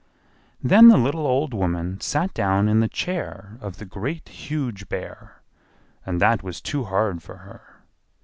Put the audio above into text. Then the little old woman sat down in the chair of the Great, Huge Bear, and that was too hard for her.